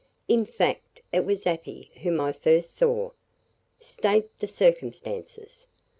"In fact, it was Afy whom I first saw." "State the circumstances."